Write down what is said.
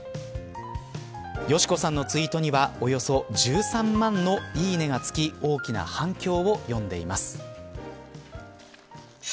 佳子さんのツイートにはおよそ１３万のいいねがつき大きな反響を呼んでいます。